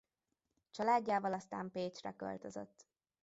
Családjával aztán Pécsre költözött.